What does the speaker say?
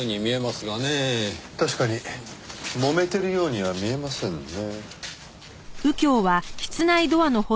確かにもめてるようには見えませんね。